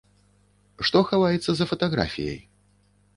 Што хаваецца за фатаграфіяй?